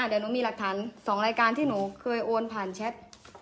เดี๋ยวหนูมีหลักฐาน๒รายการที่หนูเคยโอนผ่านแชท